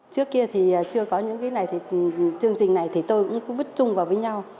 trước kia thì chưa có những cái này thì chương trình này thì tôi cũng vứt chung vào với nhau